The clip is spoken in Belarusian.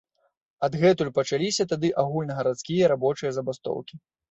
Адгэтуль пачаліся тады агульнагарадскія рабочыя забастоўкі.